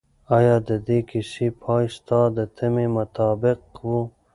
آیا د دې کیسې پای ستا د تمې مطابق و؟